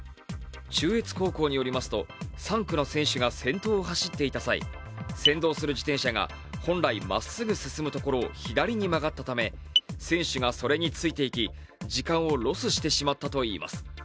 中越高校によりますと３区の選手が先頭を走っていた際、先導する自転車が本来まっすぐ進むところを左に曲がったため、選手がそれについていき、時間をロスしてしまったといいます。